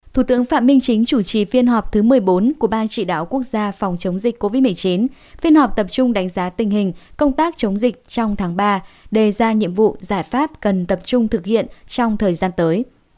thủ tướng phạm minh chính chủ trì phiên họp thứ một mươi bốn của ban chỉ đạo quốc gia phòng chống dịch covid một mươi chín phiên họp tập trung đánh giá tình hình công tác chống dịch trong tháng ba đề ra nhiệm vụ giải pháp cần tập trung thực hiện trong thời gian tới